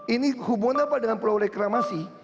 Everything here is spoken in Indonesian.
ini hubungannya apa dengan perahu reklamasi